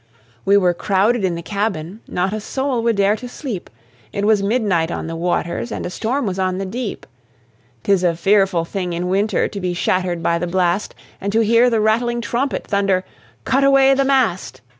We were crowded in the cabin, Not a soul would dare to sleep, It was midnight on the waters, And a storm was on the deep. 'Tis a fearful thing in winter To be shattered by the blast, And to hear the rattling trumpet Thunder, "Cut away the mast!"